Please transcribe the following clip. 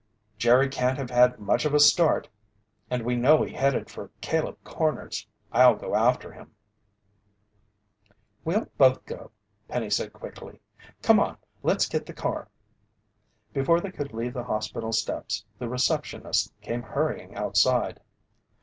"Jerry can't have had much of a start, and we know he headed for Caleb Corners! I'll go after him." "We'll both go," Penny said quickly. "Come on, let's get the car." Before they could leave the hospital steps, the receptionist came hurrying outside.